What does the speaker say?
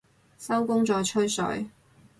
收工再吹水